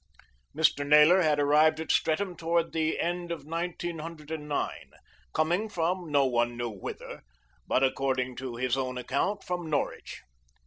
Mr. Naylor had arrived at Streatham towards the end of 1909, coming from no one knew whither; but according to his own account from Norwich.